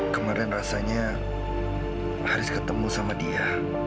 kemarin rasanya haris ketemu sama dia